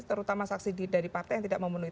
terutama saksi dari partai yang tidak memenuhi